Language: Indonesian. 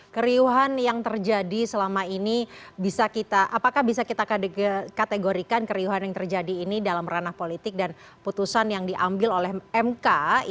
keriuhan yang terjadi selama ini apakah bisa kita kategorikan keriuhan yang terjadi ini dalam ranah politik dan putusan yang diambil oleh mk